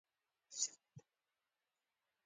د ناوړه “سياسي ګټې اخيستنې” له امله